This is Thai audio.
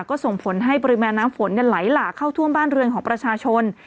ก็ส่งผลให้ปริมาณน้ำฝนไหลหลากเข้าท่วมบ้านเรือนของประชาชน